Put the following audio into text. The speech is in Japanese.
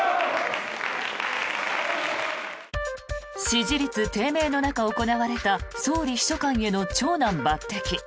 支持率低迷の中、行われた総理秘書官への長男抜てき。